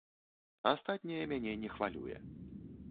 Астатняе мяне не хвалюе.